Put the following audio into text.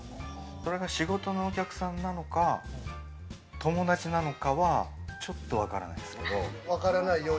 仕事のお客さんなのか友達なのかはちょっとわからないですけれども。